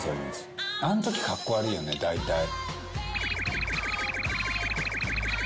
あんときカッコ悪いよねだいたい。